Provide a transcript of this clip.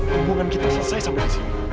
hubungan kita selesai sampai disini